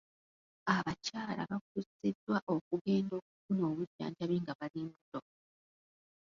Abakyala bakubiriziddwa okugenda okufuna obujjanjabi nga bali mbuto.